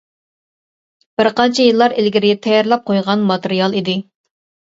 بىر قانچە يىللار ئىلگىرى تەييارلاپ قويغان ماتېرىيال ئىدى.